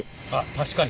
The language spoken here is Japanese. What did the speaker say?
確かに。